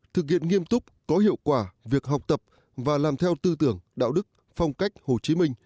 thực hiện nghiêm túc có hiệu quả việc học tập và làm theo tư tưởng đạo đức phong cách hồ chí minh